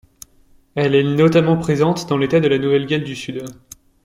Elle est notamment présente dans l'État de la Nouvelle-Galles du Sud.